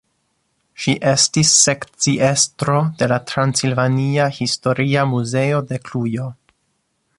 Ŝi estis sekciestro de la Transilvania Historia Muzeo de Kluĵo.